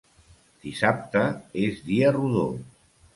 Dissabte és dia rodó.